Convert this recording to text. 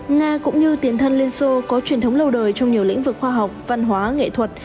nga cũng như tiền thân liên xô có truyền thống lâu đời trong nhiều lĩnh vực khoa học văn hóa nghệ thuật